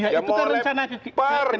ya itu kan rencana kemarin